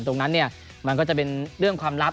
ตรงนั้นเนี่ยมันก็จะเป็นเรื่องความลับ